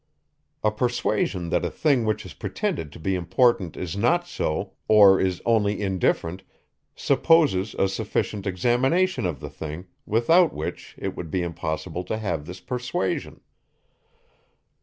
A persuasion that a thing which is pretended to be important is not so, or is only indifferent, supposes a sufficient examination of the thing, without which it would be impossible to have this persuasion.